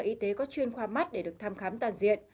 y tế có chuyên khoa mắt để được thăm khám toàn diện